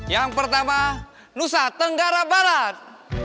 yang pertama nusa tenggara barat